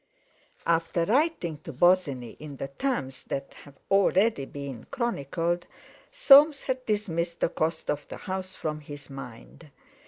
After writing to Bosinney in the terms that have already been chronicled, Soames had dismissed the cost of the house from his mind.